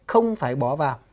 không phải bỏ vào